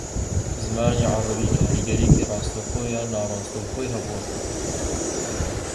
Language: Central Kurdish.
زمانی عەرەبی کاریگەرییەکی ڕاستەوخۆ یان ناڕاستەوخۆیی ھەبووە